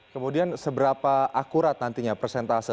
kemudian seberapa akurat nantinya persentase